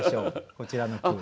こちらの句。